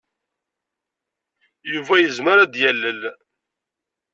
Yuba yezmer ad d-yalel.